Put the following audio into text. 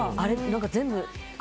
全部。